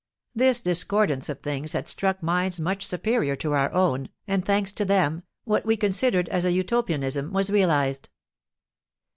'" This discordance of things had struck minds much superior to our own, and, thanks to them, what we considered as an utopianism was realised.